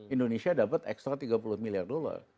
indonesia dapat ekstra tiga puluh miliar dolar